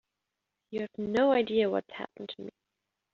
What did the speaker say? You have no idea what's happened to me.